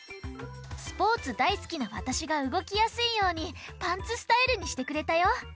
スポーツだいすきなわたしがうごきやすいようにパンツスタイルにしてくれたよ。